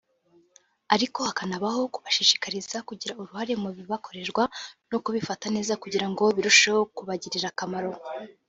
ariko hakanabaho kubashishikariza kugira uruhare mu bibakorerwa no kubifata neza kugira ngo birusheho kubagirira akamaro